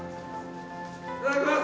・いただきます。